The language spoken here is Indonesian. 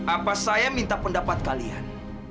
apa saya minta pendapat kalian